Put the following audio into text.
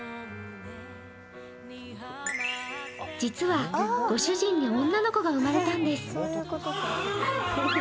実は、ご主人に女の子が生まれたんです。